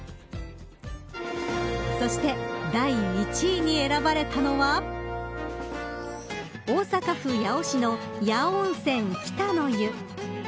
そして第１位に選ばれたのは大阪府八尾市の八尾温泉、喜多の湯。